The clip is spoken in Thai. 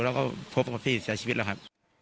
แล้วก็พบกับพี่เสียชีวิตแล้วครับ